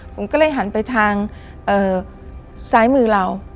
ผมก็เลยหันไปทางซ้ายมือเรา